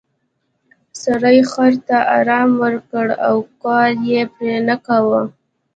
سړي خر ته ارام ورکړ او کار یې پرې نه کاوه.